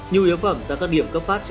nhiều yếu phẩm ra các điểm cấp phát